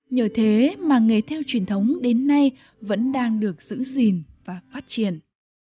nhờ thế mà nghề theo truyền thống đến nay vẫn đang được giữ gìn và phát triển